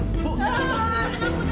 burung burung burung